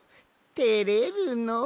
てれるのう。